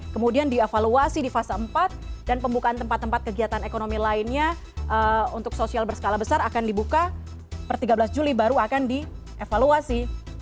kemudian dievaluasi di fase empat dan pembukaan tempat tempat kegiatan ekonomi lainnya untuk sosial berskala besar akan dibuka per tiga belas juli baru akan dievaluasi